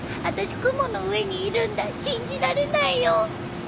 あたし雲の上にいるんだ信じられないよ